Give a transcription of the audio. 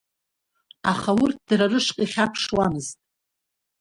Аха урҭ дара рышҟа ихьаԥшуамызт.